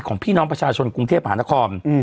ของพี่น้องประชาชนกรุงเทพหานคร